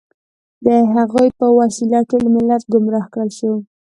د هغوی په وسیله ټول ملت ګمراه کړل شو.